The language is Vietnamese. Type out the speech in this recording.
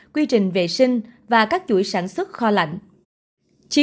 quy trình vệ sinh và các chuỗi sản xuất kho lạnh